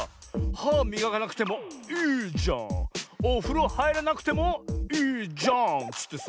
はみがかなくてもいいじゃんおふろはいらなくてもいいじゃんっつってさ。